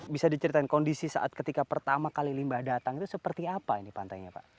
bisa diceritain kondisi saat ketika pertama kali limbah datang itu seperti apa ini pantainya pak